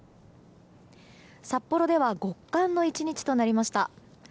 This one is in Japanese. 札幌では極寒の１日となりました。